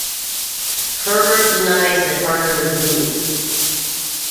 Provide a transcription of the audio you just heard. Hebrard denies that Parker was bleeding.